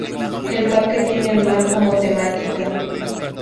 El parque tiene el mar como temática.